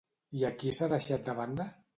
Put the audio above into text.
I a qui s'ha deixat de banda?